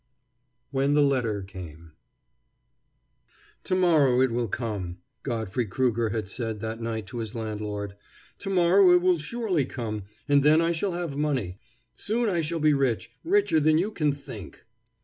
WHEN THE LETTER CAME "To morrow it will come," Godfrey Krueger had said that night to his landlord. "To morrow it will surely come, and then I shall have money. Soon I shall be rich, richer than you can think."